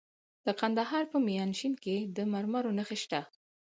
د کندهار په میانشین کې د مرمرو نښې شته.